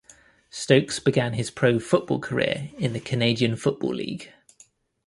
Stokes began his pro football career in the Canadian Football League.